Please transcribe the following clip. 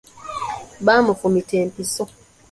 Bamufumita empiso.